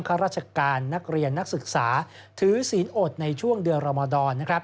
ข้าราชการนักเรียนนักศึกษาถือศีลอดในช่วงเดือนรมดร